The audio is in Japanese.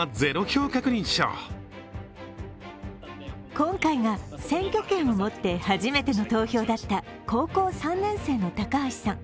今回が選挙権を持って初めての投票だった高校３年生の高橋さん。